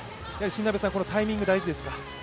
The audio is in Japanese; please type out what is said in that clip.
新鍋さん、タイミング大事ですか？